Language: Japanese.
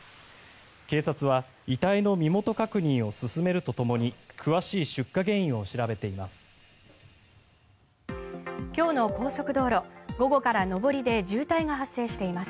警察は遺体の身元確認を進めるとともに詳しい出火原因を調べています。